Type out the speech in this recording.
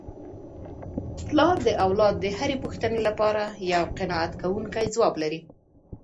پلار د اولاد د هرې پوښتني لپاره یو قناعت کوونکی ځواب لري.